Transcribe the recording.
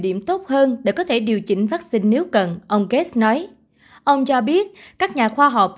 điểm tốt hơn để có thể điều chỉnh vaccine nếu cần ông gate nói ông cho biết các nhà khoa học